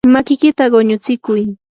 makiykita quñutsikuy.